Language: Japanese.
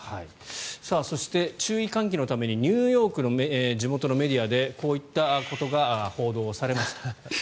そして、注意喚起のためにニューヨークの地元のメディアでこういったことが報道されました。